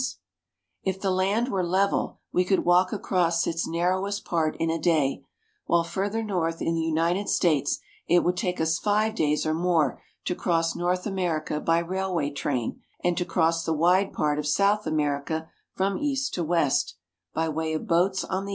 i8 ISTHMUS OF PANAMA If the land were level, we could walk across its narrowest part in a day, while further north in the United States it would take us five days or more to cross North America by railway train, and to cross the wide part of South America from east to west, by way of boats on the Amazon s ^^ W^ Cristobal ■ i|sta R*^aMt.